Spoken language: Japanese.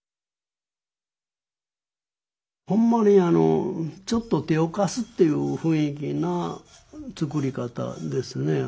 ほんまにちょっと手を貸すっていう雰囲気な作り方ですね。